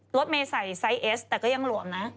รถเมย์ใส่ไซส์เอสแต่ก็ยังหลวมนะ